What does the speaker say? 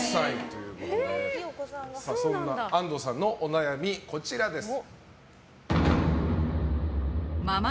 そんな安藤さんのお悩みです。